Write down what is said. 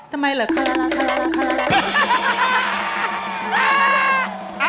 ทำไมล่ะคาราลาคาราลาคาราลา